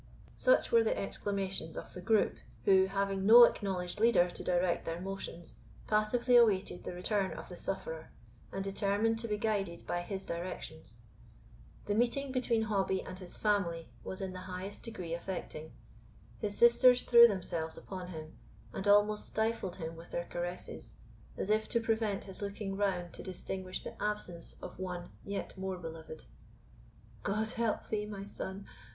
Such were the exclamations of the group, who, having no acknowledged leader to direct their motions, passively awaited the return of the sufferer, and determined to be guided by his directions. The meeting between Hobbie and his family was in the highest degree affecting. His sisters threw themselves upon him, and almost stifled him with their caresses, as if to prevent his looking round to distinguish the absence of one yet more beloved. "God help thee, my son!